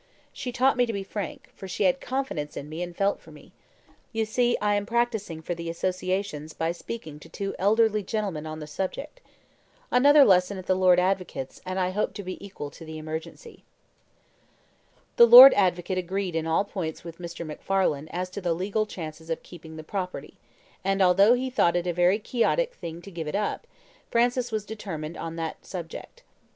She taught me to be frank, for she had confidence in me and felt for me. You see I am practising for the associations by speaking to two elderly gentlemen on the subject. Another lesson at the Lord Advocate's, and I hope to be equal to the emergency." The Lord Advocate agreed in all points with Mr. MacFarlane as to the legal chances of keeping the property; and although he thought it a very quixotic thing to give it up, Francis was determined on that subject.